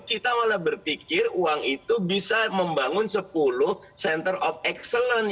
kita malah berpikir uang itu bisa membangun sepuluh center of excellence